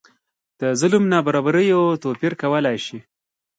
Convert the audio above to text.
د ظلم نابرابریو توپیر کولای شي.